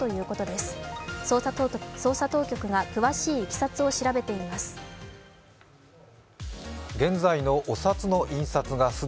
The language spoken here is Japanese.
踏査当局が詳しいいきさつを調べています。